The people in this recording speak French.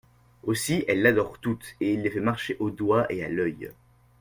Aussi, elles l'adorent toutes, et il les fait marcher au doigt et à l'oeil …